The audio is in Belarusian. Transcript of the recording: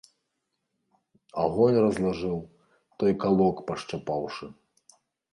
Агонь разлажыў, той калок пашчапаўшы.